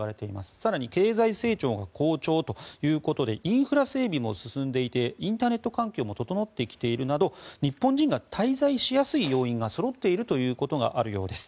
更に経済成長が好調ということでインフラ整備も進んでいてインターネット環境も整ってきているなど日本人が滞在しやすい要因がそろっているということがあるようです。